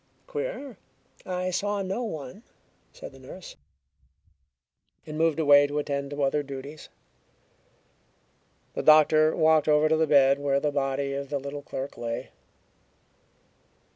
"Queer! I saw no one," said the nurse, and moved away to attend to other duties. The doctor walked over to the bed where the body of the little clerk lay.